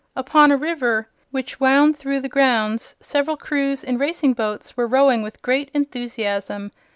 Upon a river which wound through the grounds several crews in racing boats were rowing with great enthusiasm.